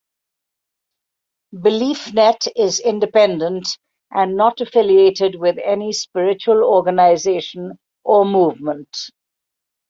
Beliefnet is independent and not affiliated with any spiritual organization or movement.